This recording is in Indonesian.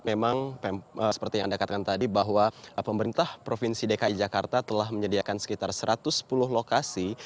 memang seperti yang anda katakan tadi bahwa pemerintah provinsi dki jakarta telah menyediakan sekitar satu ratus sepuluh lokasi